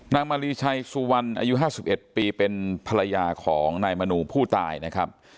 มารีชัยสุวรรณอายุ๕๑ปีเป็นภรรยาของนายมนูผู้ตายนะครับ